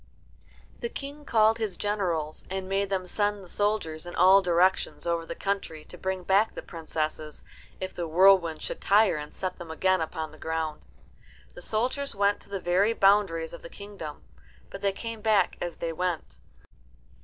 The King called his generals, and made them send the soldiers in all directions over the country to bring back the princesses, if the whirlwind should tire and set them again upon the ground. The soldiers went to the very boundaries of the kingdom, but they came back as they went.